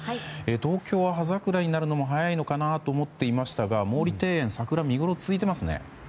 東京は葉桜になるのも早いのかなと思っていましたが毛利庭園、桜の見ごろ続いていますね。